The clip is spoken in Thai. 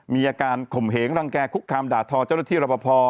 มีอาการข่มเหงรังแก่คุกคามด่าทอเจ้าหน้าที่รับประพอ